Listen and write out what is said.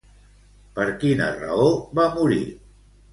Per quina raó va morir?